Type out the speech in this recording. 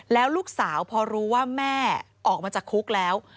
แล้วลูกสาวพอรู้ว่าแม่ออกมาจากคุกแล้ว